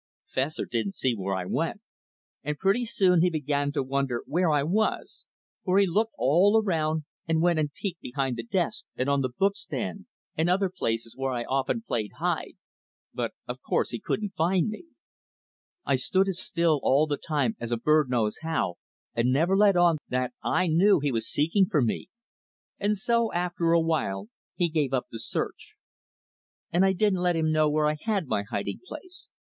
Fessor didn't see where I went, and pretty soon he began to wonder where I was, for he looked all around and went and peeked behind the desk and on the book stand and other places where I often "played hide," but of course he couldn't find me. I stood as still all the time as a bird knows how, and never let on that I knew he was seeking for me; and so, after a while, he gave up the search. [Illustration: "The cutest hiding place in the world." Page 40.] And I didn't let him know where I had my hiding place.